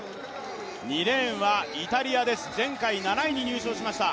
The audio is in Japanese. ２レーンはイタリアです、前回７位に入賞しました。